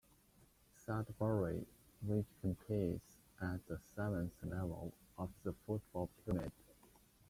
Sudbury, which competes at the seventh level of the football pyramid.